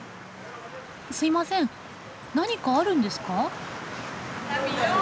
すいません何かあるんですか？